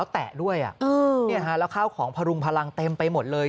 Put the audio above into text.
แตะด้วยแล้วข้าวของพรุงพลังเต็มไปหมดเลย